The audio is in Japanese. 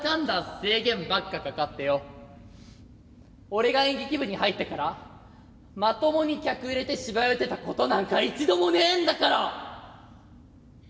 俺が演劇部に入ってからまともに客入れて芝居打てたことなんか一度もねえんだから！